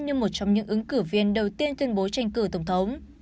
như một trong những ứng cử viên đầu tiên tuyên bố tranh cử tổng thống